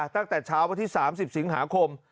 ตั้งแต่เช้าวันที่๓๐สิงหาคม